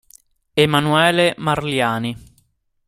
Emanuele Marliani